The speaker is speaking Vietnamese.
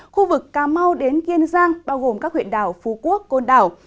khu vực cà mau đến kiên giang bao gồm các huyện đảo phú quốc côn đảo